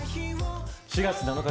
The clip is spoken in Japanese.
４月７日